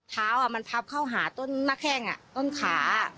เท้ามันพับเข้าหาต้นหน้าแข้งต้นขา